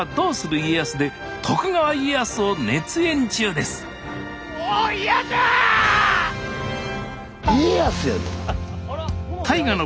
家康やで。